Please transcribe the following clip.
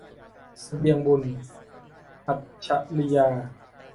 เสบียงบุญ - อัจฉรียา